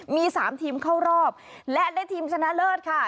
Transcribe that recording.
มี๓ทีมเข้ารอบและได้ทีมชนะเลิศค่ะ